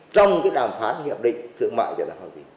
trong cái đàm phán hiệp định thương mại việt nam hoa kỳ